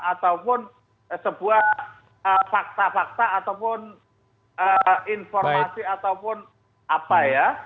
ataupun sebuah fakta fakta ataupun informasi ataupun apa ya